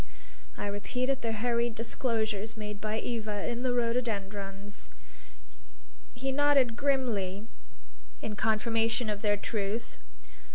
I repeated the hurried disclosures made by Eva in the rhododendrons. He nodded grimly in confirmation of their truth.